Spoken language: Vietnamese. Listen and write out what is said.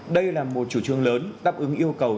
đây là một chủ trương lớn đáp ứng yêu cầu